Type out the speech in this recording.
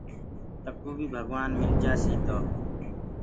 تڪو بي ڀگوآن مِلجآسيٚ تو